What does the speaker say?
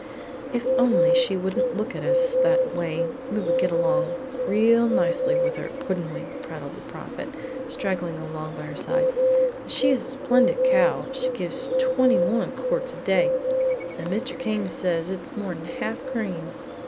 "If she only wouldn't look at us that way we would get along real nicely with her, wouldn't we?" prattled the Prophet, straggling along by her side; "and she is a splendid cow; she gives twenty one quarts a day, and Mr. Came says it's more'n half cream."